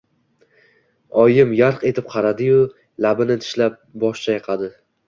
Oyim yarq etib qaradi-yu, labini tishlab bosh chayqadi.